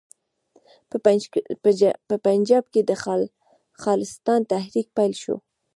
په پنجاب کې د خالصتان تحریک پیل شو.